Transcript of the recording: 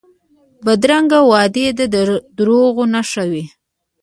بدرنګه وعدې د دروغو نښه وي